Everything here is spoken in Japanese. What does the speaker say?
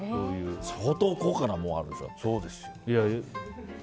相当高価なものあるでしょ。